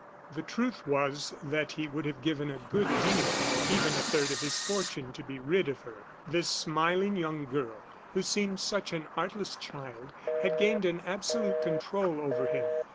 The truth was, that he would have given a good deal, even a third of his fortune, to be rid of her. This smiling young girl, who seemed such an artless child, had gained an absolute control over him.